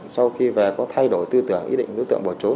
sau khi về có thay đổi tư tưởng ý định đối tượng bỏ trốn